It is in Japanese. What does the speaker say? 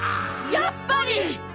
やっぱり！